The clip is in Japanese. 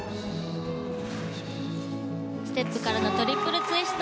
ステップからのトリプルツイスト。